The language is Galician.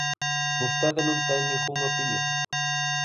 ¿Vostede non ten ningunha opinión?